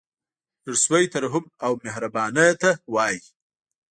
زړه سوی ترحم او مهربانۍ ته وايي.